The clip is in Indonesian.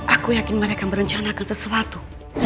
aku yakin mereka merencanakan sesuatu